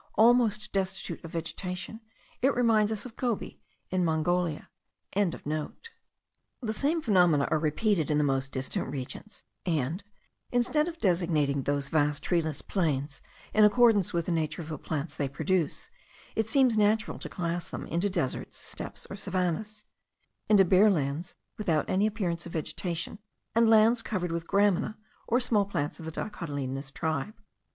Almost destitute of vegetation, it reminds us of Gobi, in Mongolia.) The same phenomena are repeated in the most distant regions; and, instead of designating those vast treeless plains in accordance with the nature of the plants they produce, it seems natural to class them into deserts, steppes, or savannahs; into bare lands without any appearance of vegetation, and lands covered with gramina or small plants of the dicotyledonous tribe.